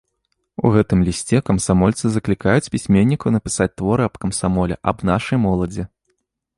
У гэтым лісце камсамольцы заклікаюць пісьменнікаў напісаць творы аб камсамоле, аб нашай моладзі.